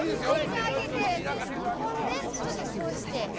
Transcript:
ほんで、ちょっとこうして。